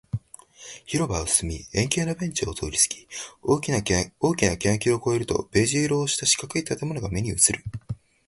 広場を進み、円形のベンチを通りすぎ、大きな欅の木を越えると、ベージュ色をした四角い建物が目に入る